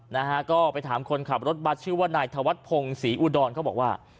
นะฮะก็ไปถามคนขับรถบัตรชื่อว่านายธวัฒนพงศรีอุดรเขาบอกว่า